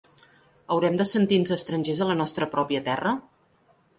Haurem de sentir-nos estrangers a la nostra pròpia terra?